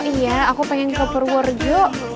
iya aku pengen ke purworejo